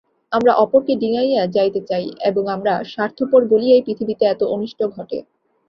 আমরা অপরকে ডিঙাইয়া যাইতে চাই এবং আমরা স্বার্থপর বলিয়াই পৃথিবীতে এত অনিষ্ট ঘটে।